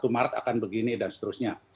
satu maret akan begini dan seterusnya